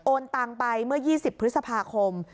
ตังไปเมื่อ๒๐พฤษภาคม